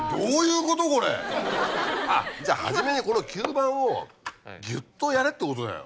あっじゃあ初めにこの吸盤をぎゅっとやれってことだよ。